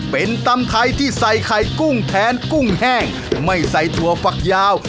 เป็นตำไทยที่ใส่ไข่กุ้งแทนกุ้งแห้งไม่ใส่ถั่วฝักยาว